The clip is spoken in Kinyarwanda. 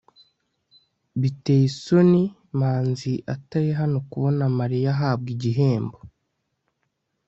biteye isoni manzi atari hano kubona mariya ahabwa igihembo